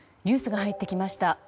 ニュースが入ってきました。